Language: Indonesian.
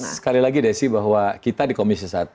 sekali lagi desi bahwa kita di komisi satu